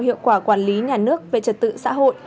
hiệu quả quản lý nhà nước về trật tự xã hội